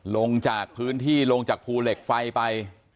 ลงจากพื้นที่ลงจากภูเหล็กไฟไป